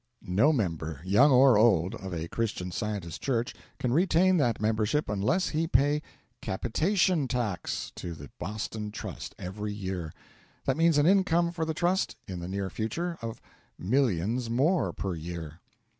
No member, young or old, of a Christian Scientist church can retain that membership unless he pay 'capitation tax' to the Boston Trust every year. That means an income for the Trust in the near future of millions more per year.